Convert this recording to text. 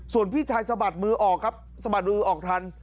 ส่วนพี่ชายสะบัดมือออกครับสะบัดมือออกทัน